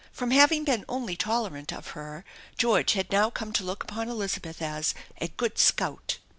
From having been only tolerant of her George had now come to look upon Elizabeth as "a good scout."